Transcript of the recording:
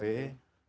kemudian ada bnp